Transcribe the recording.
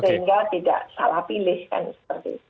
sehingga tidak salah pilih kan seperti itu